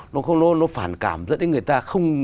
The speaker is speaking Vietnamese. nó phản cảm dẫn đến người ta không